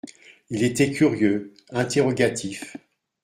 Il était curieux, interrogatif.